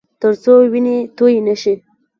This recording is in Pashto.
ترڅو وینې تویې نه شي